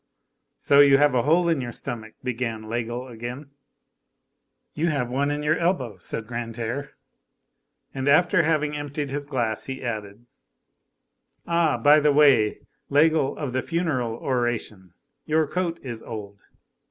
"So you have a hole in your stomach?" began Laigle again. "You have one in your elbow," said Grantaire. And after having emptied his glass, he added:— "Ah, by the way, Laigle of the funeral oration, your coat is old."